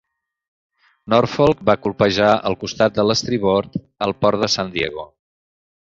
"Norfolk" va colpejar el costat de l"estribord al port de "San Diego".